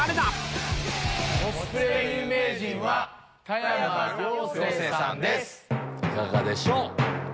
いかがでしょう？